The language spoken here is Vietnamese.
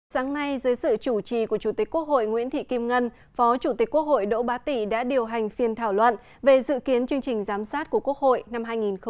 sáng nay dưới sự chủ trì của chủ tịch quốc hội nguyễn thị kim ngân phó chủ tịch quốc hội đỗ bá tị đã điều hành phiên thảo luận về dự kiến chương trình giám sát của quốc hội năm hai nghìn hai mươi